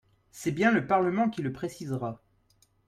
C’est bien le Parlement qui le précisera.